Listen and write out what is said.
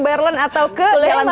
berlin atau ke